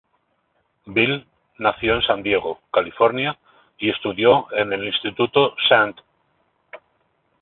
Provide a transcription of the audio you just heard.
Bill nació en San Diego, California, y estudió en el instituto St.